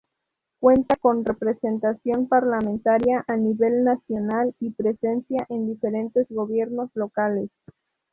Cuenta con representación parlamentaria a nivel nacional y presencia en diferentes gobiernos locales.